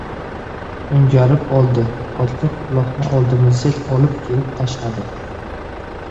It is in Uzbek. O‘ngarib oldi. Otliq uloqni oldimizga olib kelib tashladi.